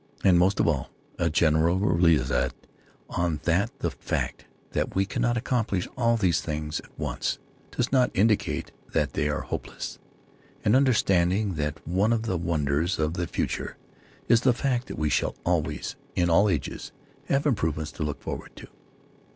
And, most of all, a general realization that the fact that we cannot accomplish all these things at once does not indicate that they are hopeless; an understanding that one of the wonders of the future is the fact that we shall always, in all ages, have improvements to look forward to.